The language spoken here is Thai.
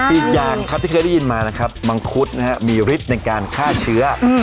อีกอย่างที่เคยได้ยินมีริธในการฆ่าเชื้อ